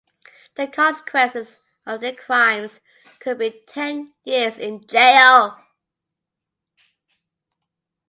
The consequences of their crimes could be ten years in jail.